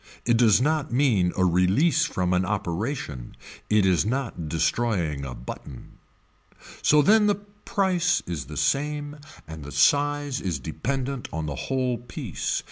It does not mean a release from an operation. It is not destroying a button. So then the price is the same and the size is dependent on the whole piece.